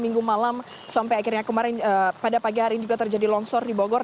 minggu malam sampai akhirnya kemarin pada pagi hari ini juga terjadi longsor di bogor